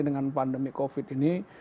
dengan pandemi covid ini